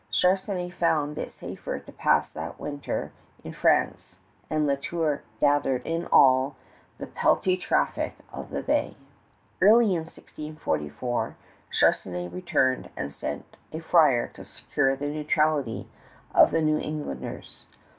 Charnisay found it safer to pass that winter in France, and La Tour gathered in all the peltry traffic of the bay. Early in 1644 Charnisay returned and sent a friar to secure the neutrality of the New Englanders.